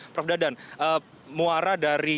prof dadan muara dari